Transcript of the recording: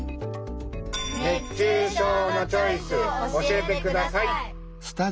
熱中症のチョイスを教えてください！